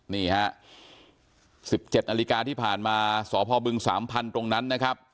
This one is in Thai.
นี่ฮะ๑๗นาฬิกาที่ผ่านมาสพบึง๓๐๐ตรงนั้นนะครับ